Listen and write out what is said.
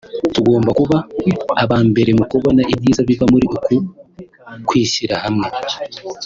tugomba kuba aba mbere mu kubona ibyiza biva muri uku kwishyira hamwe